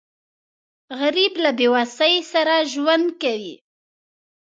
غریب له بېوسۍ سره ژوند کوي